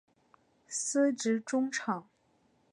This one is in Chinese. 司职中场。